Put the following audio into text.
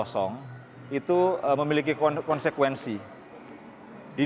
yang sangat penting untuk memperbaiki kesehatan industri dan perusahaan industri